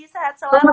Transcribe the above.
selamat selamat malam